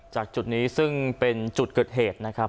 จากจุดนี้ซึ่งเป็นจุดเกิดเหตุนะครับ